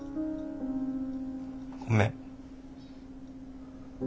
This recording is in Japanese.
ごめん。